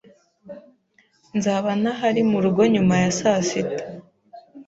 Nzaba ntahari murugo nyuma ya saa sita